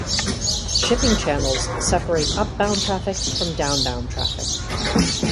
Shipping channels separate upbound traffic from downbound traffic.